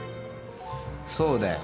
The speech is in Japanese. そうだよ。